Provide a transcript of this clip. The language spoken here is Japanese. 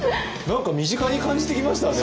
何か身近に感じてきましたね。